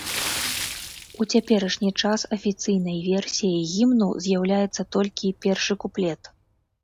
У цяперашні час афіцыйнай версіяй гімну з'яўляецца толькі першы куплет.